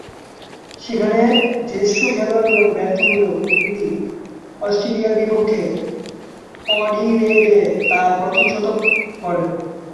সেখানে জ্যেষ্ঠ খেলোয়াড়গণ ব্যর্থ হলেও কোহলি অস্ট্রেলিয়ার বিপক্ষে অ্যাডিলেডে তার প্রথম শতক করেন।